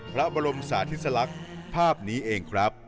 พระบรมสาธิสลักษณ์ภาพนี้เองครับ